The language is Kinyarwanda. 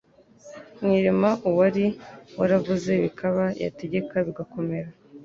Mu irema, uwari waravuze bikaba, yategeka bigakomera,